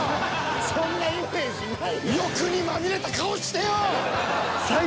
そんなイメージないやろ。